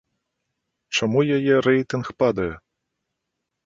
Чаму яе рэйтынг падае?